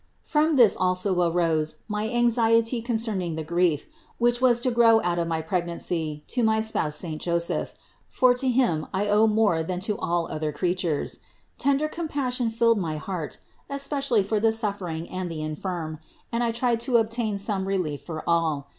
From this also arose my anxiety concerning the grief, which was to grow out of my pregnancy to my spouse saint Joseph; for to him I owed more than to all other creatures. Tender compassion filled my heart, especially for the suffering and the infirm, and I tried to obtain some relief for all.